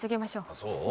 そう？